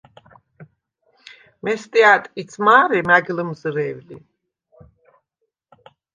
მესტია̄̈ ტკიც მა̄რე მა̈გ ლჷმზჷრე̄ვ ლი!